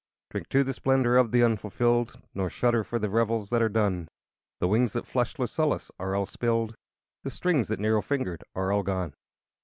II Drink to the splendor of the unfulfilled, Nor shudder for the revels that are done: The wines that flushed Lucullus are all spilled, The strings that Nero fingered are all gone.